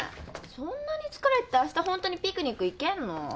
そんなに疲れててあしたホントにピクニック行けんの？